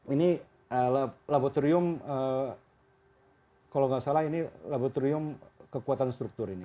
ini laboratorium kalau nggak salah ini laboratorium kekuatan struktur ini